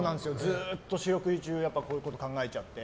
ずっと四六時中こういうこと考えちゃって。